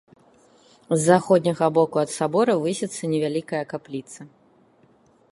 З заходняга боку ад сабора высіцца невялікая капліца.